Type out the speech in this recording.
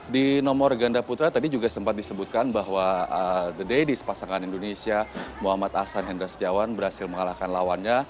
di nomor ganda putra tadi juga sempat disebutkan bahwa the daddies pasangan indonesia muhammad ahsan hendra setiawan berhasil mengalahkan lawannya